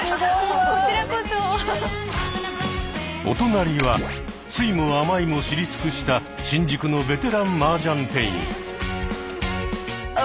お隣は酸いも甘いも知り尽くした新宿のベテランマージャン店員。